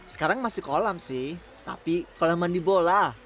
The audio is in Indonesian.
sekarang masih kolam sih tapi kolaman di bola